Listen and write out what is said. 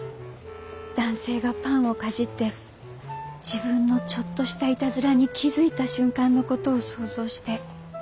男性がパンをかじって自分のちょっとしたいたずらに気付いた瞬間のことを想像して。